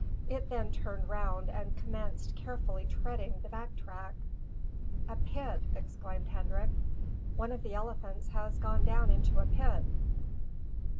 It then turned round and commenced carefully treading the back track. "A pit," exclaimed Hendrik. "One of the elephants has gone down into a pit."